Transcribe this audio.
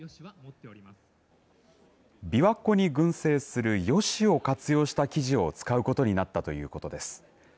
琵琶湖に群生するヨシを活用した生地を使うことになったということです。